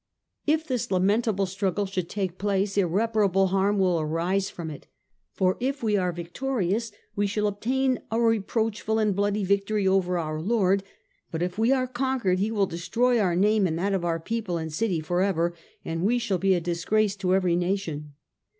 If this lament able struggle should take place, irreparable harm will arise from it ; for if we are victorious we shall obtain a reproachful and bloody victory over our lord, but if we are conquered, he will destroy our name and that of our people and city for ever, and we shall be a disgrace to every nation.